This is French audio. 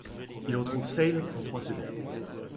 Il retrouve Sale pour trois saisons.